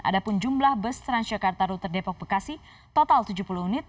ada pun jumlah bus transjakarta rute depok bekasi total tujuh puluh unit